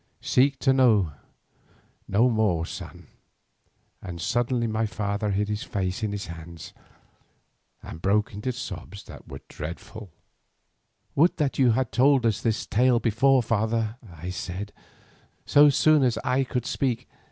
Seek to know no more, son"—and suddenly my father hid his face in his hands and broke into sobs that were dreadful to hear. "Would that you had told us this tale before, father," I said so soon as I could speak.